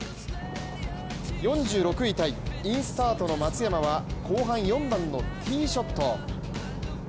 ４６位タイ、インスタートの松山は後半４番のティーショット。